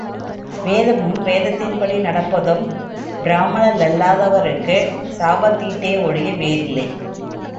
வேதமும் வேதத்தின்படி நடப்பதும் பிராமணரல்லாதாருக்குச் சாபத்தீட்டே ஒழிய வேறில்லை.